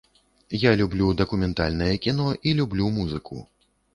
Я люблю дакументальнае кіно і люблю музыку.